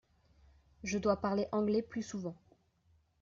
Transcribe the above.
Je dois parler anglais plus souvent.